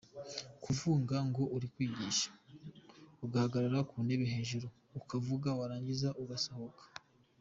Kuvunga ngo uri kwigisha, ugahagarara ku ntebe hejuru ukavuga, warangiza ugasohoka.